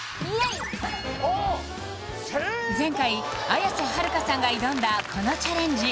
前回綾瀬はるかさんが挑んだこのチャレンジ！